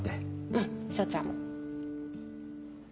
うん彰ちゃんも。